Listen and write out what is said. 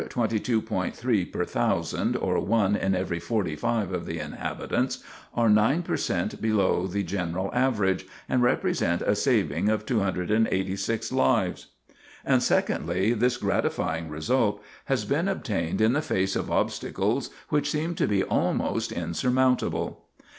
3 per 1,000, or one in every forty five of the inhabitants are nine per cent below the general average, and represent a saving of 286 lives. And secondly, this gratifying result has been obtained in the face of obstacles which seemed to be almost insurmountable."